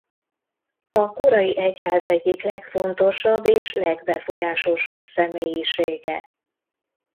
A korai egyház egyik legfontosabb és legbefolyásosabb személyisége.